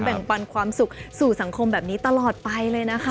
ปันความสุขสู่สังคมแบบนี้ตลอดไปเลยนะคะ